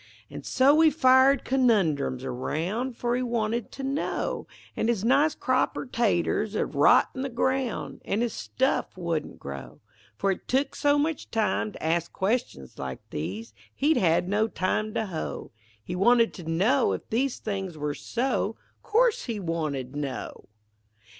An' so' he fired conundrums aroun', For he wanted to know; An' his nice crop er taters 'ud rot in the groun', An' his stuff wouldn't grow; For it took so much time to ask questions like these, He'd no time to hoe; He wanted to know if these things were so, Course he wanted know.